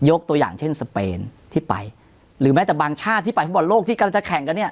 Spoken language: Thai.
ตัวอย่างเช่นสเปนที่ไปหรือแม้แต่บางชาติที่ไปฟุตบอลโลกที่กำลังจะแข่งกันเนี่ย